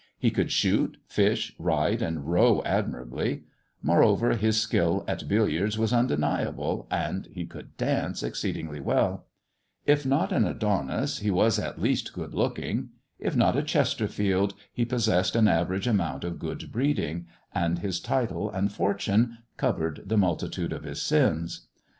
He could shoot, fish, ride, and row admirably; moreover, his skill at billiards was undeniable^' and he could dance exceedingly well. If not an Adonis, he was at least good looking. If not a Chesterfield, he pos sessed an average amount of good breeding, and his title and fortune covered the multitude of his sins.